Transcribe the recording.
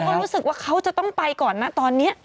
ก็รู้สึกว่าเขาจะต้องไปก่อนนะตอนนี้